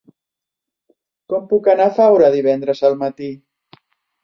Com puc anar a Faura divendres al matí?